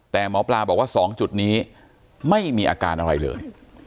แต่หมอปลาบอกว่า๒จุดนี้ไม่มีอาการอะไรเลย